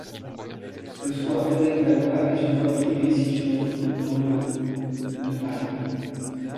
Le square Frédéric-Vallois est une voie privée située dans le de Paris.